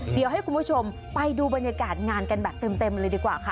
เดี๋ยวให้คุณผู้ชมไปดูบรรยากาศงานกันแบบเต็มเลยดีกว่าค่ะ